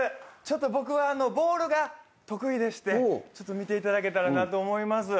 僕はボールが得意でしてちょっと見ていただけたらなと思います。